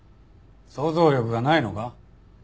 想像力がないのか？